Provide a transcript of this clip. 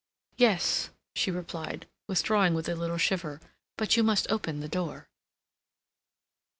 "Yes," she replied, withdrawing with a little shiver, "but you must open the door."